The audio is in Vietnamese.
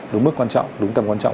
đúng mức quan trọng đúng tầm quan trọng